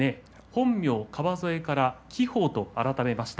本名の川副から輝鵬と改めました。